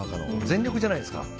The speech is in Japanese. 全力じゃないですか。